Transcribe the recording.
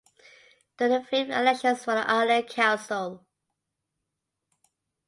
They were the fifth elections for the Island Council.